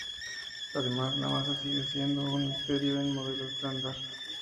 Además, la masa sigue siendo un misterio en el Modelo Estándar.